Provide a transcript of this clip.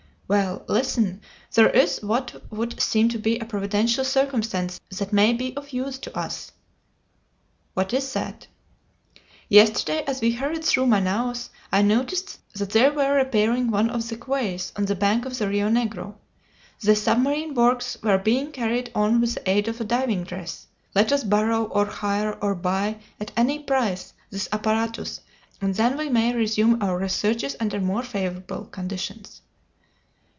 "Well, listen. There is what would seem to be a Providential circumstance that may be of use to us." "What is that?" "Yesterday, as we hurried through Manaos, I noticed that they were repairing one of the quays on the bank of the Rio Negro. The submarine works were being carried on with the aid of a diving dress. Let us borrow, or hire, or buy, at any price, this apparatus, and then we may resume our researches under more favorable conditions."